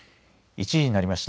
１時になりました。